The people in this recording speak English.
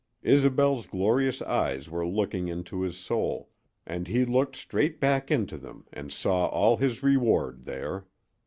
Isobel's glorious eyes were looking into his soul, and he looked straight back into them and saw all his reward there.